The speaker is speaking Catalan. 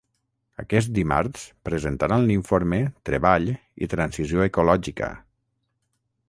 Aquest dimarts presentaran l’informe Treball i transició ecològica.